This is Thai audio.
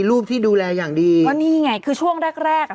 รูปที่ดูแลอย่างดีก็นี่ไงคือช่วงแรกแรกอ่ะ